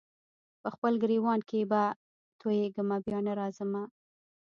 په خپل ګرېوان کي به تویېږمه بیا نه راځمه